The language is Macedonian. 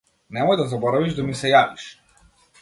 Немој да заборавиш да ми се јавиш.